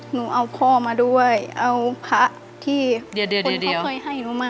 หนูเอาพ่อมาด้วยเอาพระที่คนเขาเคยให้หนูมา